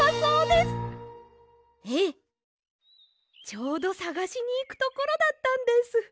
ちょうどさがしにいくところだったんです！